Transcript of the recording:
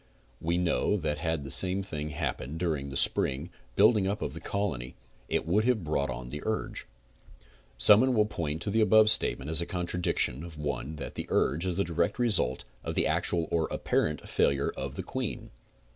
We know that had the same thing happened during the spring building up of the colony it would have brought on the urge. Some one will point to the above statement as a contradiction of the one that the urge is the direct result of the actual or apparent failure of the queen.